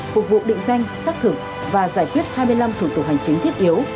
phục vụ định danh xác thực và giải quyết hai mươi năm thủ tục hành chính thiết yếu